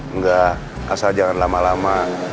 enggak asal jangan lama lama